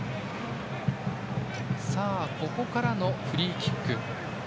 ここからのフリーキック。